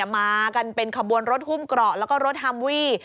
มากันเป็นขบวนรถหุ้มเกราะแล้วก็รถฮัมวี่